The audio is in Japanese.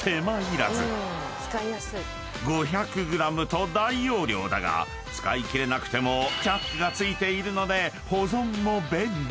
［５００ｇと大容量だが使い切れなくてもチャックが付いているので保存も便利］